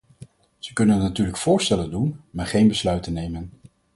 Ze kunnen natuurlijk voorstellen doen, maar geen besluiten nemen.